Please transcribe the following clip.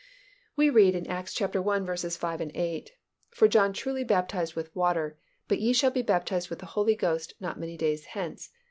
_ We read in Acts i. 5, 8, "For John truly baptized with water; but ye shall be baptized with the Holy Ghost not many days hence....